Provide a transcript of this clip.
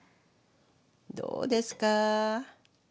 どうですか。